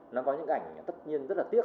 nó có những ảnh tất nhiên rất là tiếc